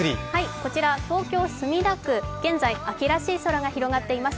こちら、東京・墨田区、現在、秋らしい空が広がっています